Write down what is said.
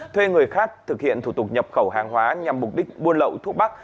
thuê người khác thực hiện thủ tục nhập khẩu hàng hóa nhằm mục đích buôn lậu thuốc bắc